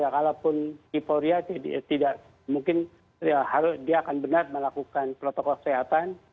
kalaupun euforia tidak mungkin dia akan benar melakukan protokol kesehatan